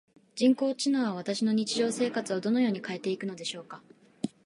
人工知能は私の日常生活をどのように変えていくのでしょうか？